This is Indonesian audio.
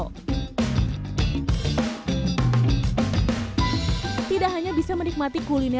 kuliner dan aslinya juga bisa menikmati kulinarnya